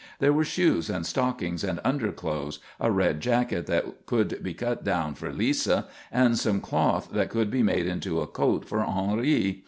There were shoes and stockings and underclothes, a red jacket that could be cut down for Lisa, and some cloth that could be made into a coat for Henri.